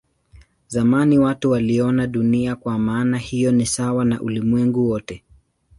Zamani watu waliona Dunia kwa maana hiyo ni sawa na ulimwengu wote.